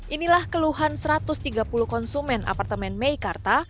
inilah keluhan satu ratus tiga puluh konsumen apartemen meikarta